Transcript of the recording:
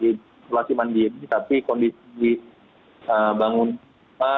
isolasi mandiri tapi kondisi bangunan